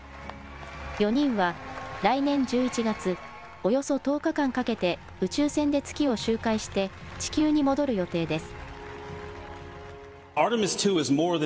４人は来年１１月およそ１０日間かけて宇宙船で月を周回して地球に戻る予定です。